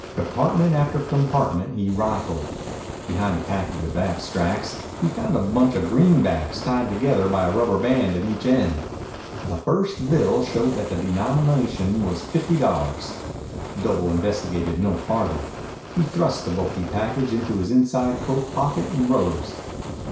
Compartment after compartment he rifled. Behind a package of abstracts he found a bunch of greenbacks tied together by a rubber band at each end. The first bill showed that the denomination was fifty dollars. Doble investigated no farther. He thrust the bulky package into his inside coat pocket and rose.